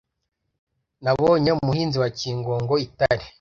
nabonye umuhinza wa cyingogo itare,